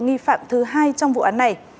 nghi phạm thứ hai trong vụ án này